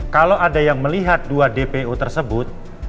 kalau ada yang melihat dua dpo tersebut